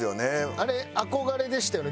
あれ憧れでしたよね。